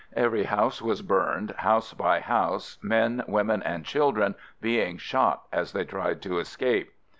Every house was burned, house by house, men, women and children being shot as they tried to escape.